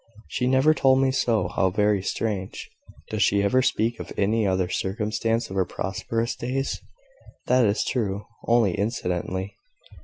"She never told me so. How very strange!" "Does she ever speak of any other circumstance of her prosperous days?" "That is true, only incidentally."